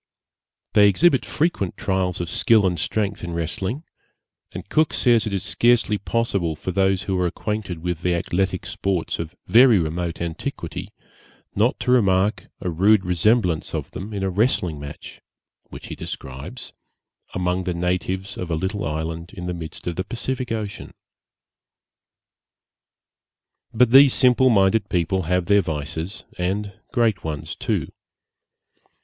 They exhibit frequent trials of skill and strength in wrestling; and Cook says it is scarcely possible for those who are acquainted with the athletic sports of very remote antiquity, not to remark a rude resemblance of them in a wrestling match (which he describes) among the natives of a little island in the midst of the Pacific Ocean. But these simple minded people have their vices, and great ones too.